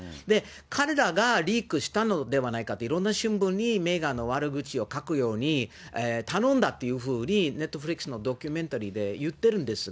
彼らがリークしたのではないかっていろんな新聞にメーガンの悪口を書くように頼んだっていうふうに、ネットフリックスのドキュメンタリーで言ってるんですが。